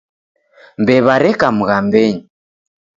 Mbew'a reka mghambenyi.